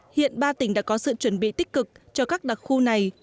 hiện ba tỉnh đã có sự chuẩn bị tích cực cho các đặc khu này